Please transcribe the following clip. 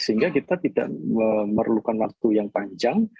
sehingga kita tidak memerlukan waktu yang panjang